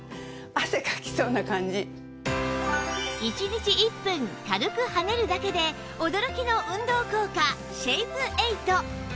１日１分軽く跳ねるだけで驚きの運動効果シェイプエイト